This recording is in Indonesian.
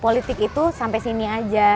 politik itu sampai sini aja